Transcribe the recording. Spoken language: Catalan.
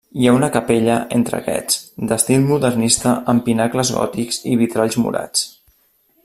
Hi ha una capella, entre aquests, d'estil modernista amb pinacles gòtics i vitralls morats.